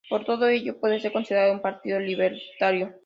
Por todo ello puede ser considerado un partido libertario.